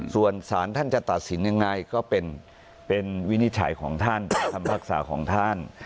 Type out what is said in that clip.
ส่วนสารท่านจะตัดสินยังไงก็เป็นวินิจฉัยของท่านคำภาษาของท่าน